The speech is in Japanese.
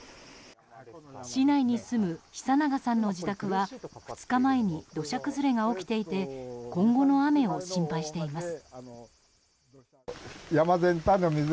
市内に住む久永さんの自宅は２日前に土砂崩れが起きていて今後の雨を心配しています。